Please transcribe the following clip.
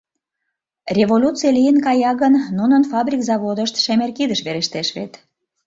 Революций лийын кая гын, нунын фабрик-заводышт шемер кидыш верештеш вет.